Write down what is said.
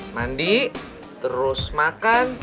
mandi terus makan